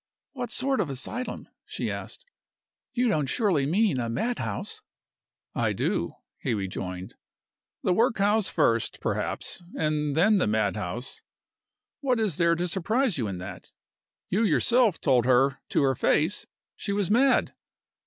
"What sort of asylum?" she asked. "You don't surely mean a madhouse?" "I do," he rejoined. "The workhouse first, perhaps and then the madhouse. What is there to surprise you in that? You yourself told her to her face she was mad.